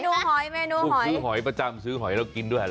อือปลูกซื้อหอยประจำซื้อหอยแล้วกินด้วย